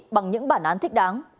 bằng những bản án thích đáng